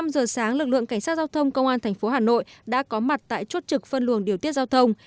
năm giờ sáng lực lượng cảnh sát giao thông công an tp hà nội đã có mặt tại chốt trực phân luồng điều tiết giao thông